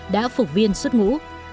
đã phục viên xuất ngũ